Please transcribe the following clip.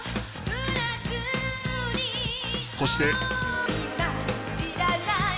そして。